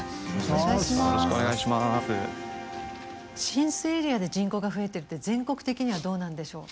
浸水エリアで人口が増えてるって全国的にはどうなんでしょう。